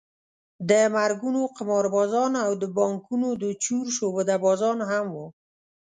د مرګونو قماربازان او د بانکونو د چور شعبده بازان هم وو.